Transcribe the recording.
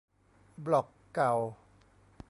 บล็อกเก่า